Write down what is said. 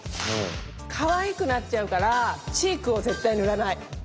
かわいくなっちゃうからチークを絶対塗らない！